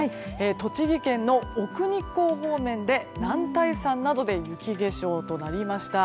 栃木県奥日光方面で男体山などで雪化粧となりました。